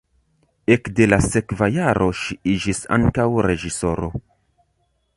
Ekde la sekva jaro ŝi iĝis ankaŭ reĝisoro.